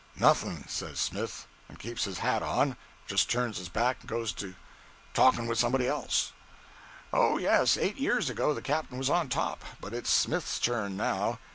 '"Nuth'n", says Smith; and keeps his hat on, and just turns his back and goes to talking with somebody else. 'Oh, yes, eight years ago, the captain was on top; but it's Smith's turn now.